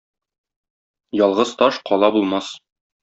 Ялгыз таш — кала булмас.